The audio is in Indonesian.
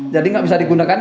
jadi gak bisa digunakan